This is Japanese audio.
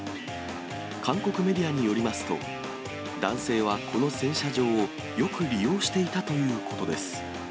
韓国メディアによりますと、男性はこの洗車場を、よく利用していたということです。